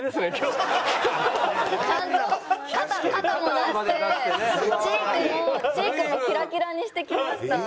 ちゃんと肩も出してチークもキラキラにしてきました。